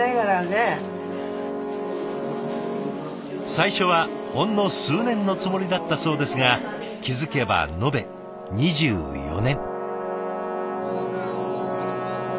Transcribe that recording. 最初はほんの数年のつもりだったそうですが気付けば延べ２４年。